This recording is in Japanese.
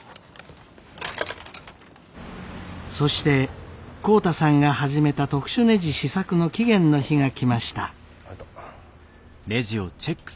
そして浩太さんが始めた特殊ねじ試作の期限の日が来ました。